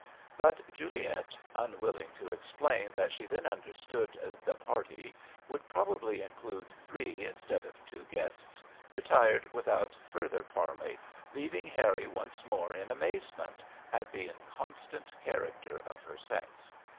But Juliet, unwilling to explain that she then understood *^ the party" would probably include three, instead of two, guests, retired without further parley, leaving Harry once more in amazement at the inconstant character of her sex.